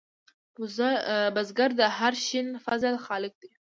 بزګر د هر شین فصل خالق دی